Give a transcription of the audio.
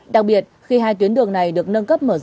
đặc biệt khi hai tuyến đường này đều bị gây bất an toàn giao thông